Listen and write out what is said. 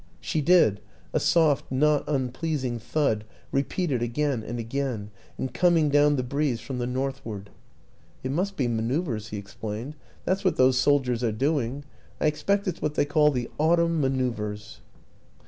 She did; a soft, not unpleasing thud, repeated again and again, and coming down the breeze from the northward. " It must be maneuvers," he explained. " That's what those soldiers are doing. I ex pect it's what they call the autumn maneuvers."